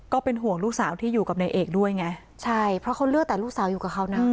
ก็เป็นห่วงลูกสาวที่อยู่กับนายเอกด้วยไงใช่เพราะเขาเลือกแต่ลูกสาวอยู่กับเขานะ